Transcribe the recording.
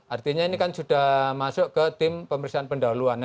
artinya ini kan sudah masuk ke tim pemeriksaan pendahuluan